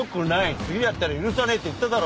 次やったら許さないって言っただろ。